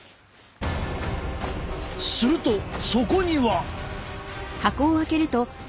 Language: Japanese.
するとそこには。